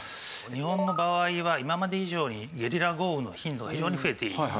日本の場合は今まで以上にゲリラ豪雨の頻度が非常に増えていると。